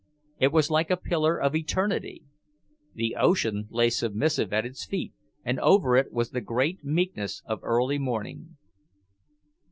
It was like a pillar of eternity. The ocean lay submissive at its feet, and over it was the great meekness of early morning.